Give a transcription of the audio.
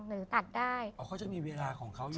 หรือตัดได้เขาจะมีเวลาของเขาอยู่